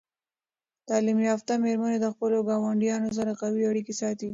تعلیم یافته میرمنې د خپلو ګاونډیانو سره قوي اړیکې ساتي.